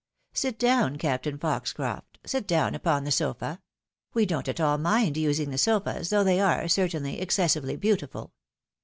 Sit down, Captain Foxcroft, sit down upon the sofa ; we don't at all mind using the sofas, though they are, certainly, excessively beautiful.